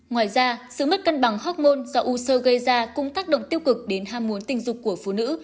ngoài ra sự mất cân bằng hóc môn do u sơ gây ra cũng tác động tiêu cực đến ham muốn tình dục của phụ nữ